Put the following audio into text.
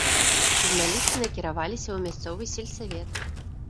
Журналісты накіраваліся ў мясцовы сельсавет.